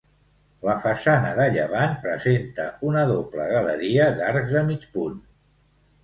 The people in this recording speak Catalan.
La façana de llevant presenta una doble galeria d'arcs de mig punt.